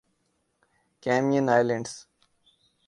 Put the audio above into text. Cayman islands